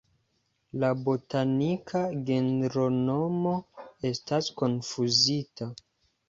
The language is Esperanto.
La botanika genronomo estas konfuzita.